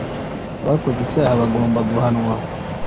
abakoze icyaha bagomba guhanwa